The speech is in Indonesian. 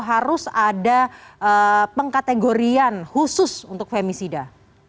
harus ada pengkategorian khusus untuk femisida